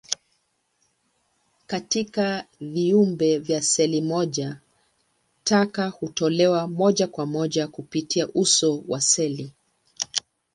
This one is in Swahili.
Katika viumbe vya seli moja, taka hutolewa moja kwa moja kupitia uso wa seli.